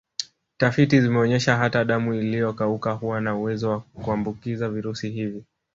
Tafiti zimeonyesha hata damu iliyokauka huwa na uwezo wa kuambukiza virusi hivi